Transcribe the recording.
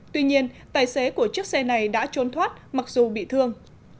tuy nhiên tài xế của chiếc xe này đã trốn thoát mặc dù bị thương